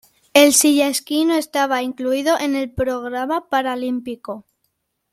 El silla-esquí no estaba incluido en el programa paralímpico.